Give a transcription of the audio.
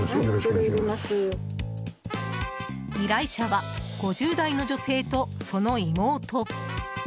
依頼者は５０代の女性と、その妹。